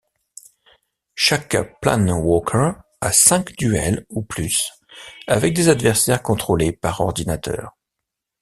Chaque Planeswalker a cinq duels ou plus avec des adversaires contrôlés par ordinateur.